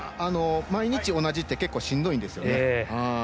毎日同じって結構、しんどいんですよね。